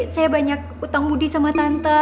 saya banyak utang budi sama tante